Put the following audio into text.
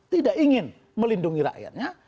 tidak ingin melindungi rakyatnya